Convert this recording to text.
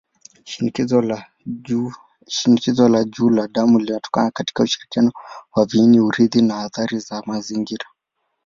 Shinikizo la juu la damu linatokana katika ushirikiano wa viini-urithi na athari za mazingira.